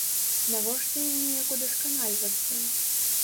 Навошта ім неяк удасканальвацца?